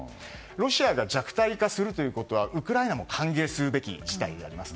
ロシアが弱体化することはウクライナも歓迎するべき事態です。